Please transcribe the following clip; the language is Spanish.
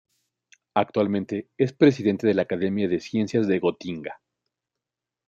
Actualmente es presidente de la Academia de Ciencias de Gotinga.